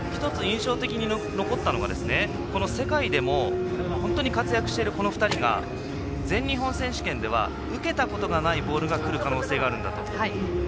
１つ印象に残っているのは世界でも、本当に活躍しているこの２人が全日本選手権では受けたことのないボールがくる可能性があるんだと。